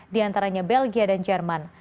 di antaranya belgia dan jerman